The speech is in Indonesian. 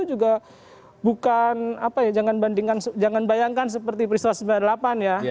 itu juga bukan jangan bayangkan seperti peristiwa seribu sembilan ratus sembilan puluh delapan ya